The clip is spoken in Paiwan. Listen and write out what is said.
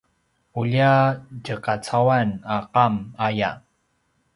ulja tjekacauan a qam aya